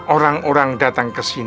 orang orang datang kesini